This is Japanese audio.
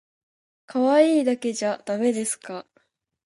かわいいだけじゃだめですか？